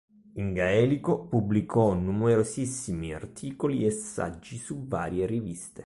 In gaelico pubblicò numerosissimi articoli e saggi su varie riviste.